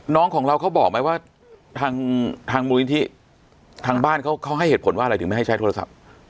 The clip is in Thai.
น้องของเราเขาบอกไหมว่าทางทางมูลนิธิทางบ้านเขาเขาให้เหตุผลว่าอะไรถึงไม่ให้ใช้โทรศัพท์